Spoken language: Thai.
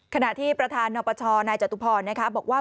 ขณะที่ประธานนปชนายจตุพรบอกว่า